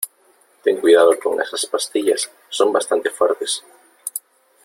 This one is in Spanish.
ten cuidado con esas pastillas , son bastante fuertes .